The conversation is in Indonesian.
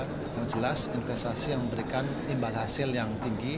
yang jelas investasi yang memberikan imbal hasil yang tinggi